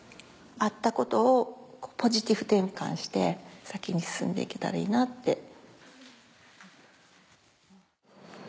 あったことをポジティブ転換して先に進んで行けたらいいなって。